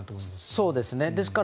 そうですね。